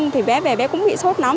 thì bé về bé cũng bị sốt nóng